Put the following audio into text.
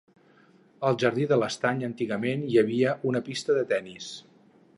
Al jardí de l'estany antigament hi havia una pista de tennis.